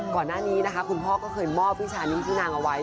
ก่อนหน้านี้นะคะคุณพ่อก็เคยมอบวิชานี้ชื่อนางเอาไว้